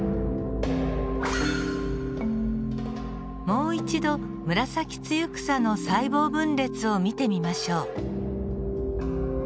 もう一度ムラサキツユクサの細胞分裂を見てみましょう。